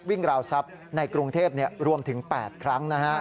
ราวทรัพย์ในกรุงเทพรวมถึง๘ครั้ง